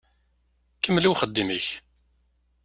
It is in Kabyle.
Kemmel i uxeddim-ik.